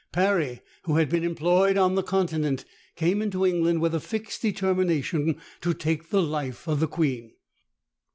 Parry, who had been employed on the Continent, came into England with a fixed determination to take the life of the queen.